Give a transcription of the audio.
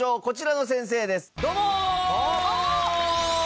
こちらの先生です。